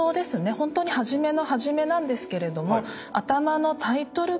ホントに初めの初めなんですけれども。